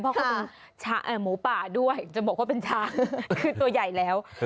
เพราะเขาเป็นหมูป่าด้วยจะบอกว่าเป็นช้างคือตัวใหญ่แล้ว